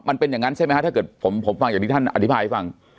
มันเป็นอย่างนั้นใช่ไหมฮะถ้าเกิดผมฟังอย่างที่ท่านอธิบายให้ฟัง